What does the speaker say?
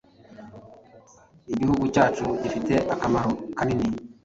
Gihugu cyacu gifite akamaro kanini.